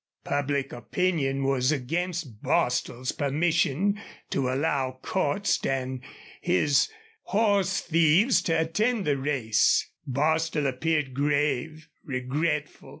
Public opinion was against Bostil's permission to allow Cordts and his horse thieves to attend the races. Bostil appeared grave, regretful.